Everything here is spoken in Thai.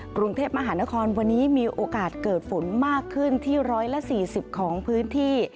กรุงเทพมหานครวันนี้มีโอกาสเกิดฝนมากขึ้นที่๑๔๐ของพื้นที่